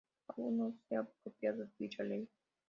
Aún no se ha aprobado dicha ley.